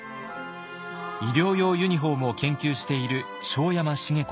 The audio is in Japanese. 医療用ユニフォームを研究している庄山茂子さん。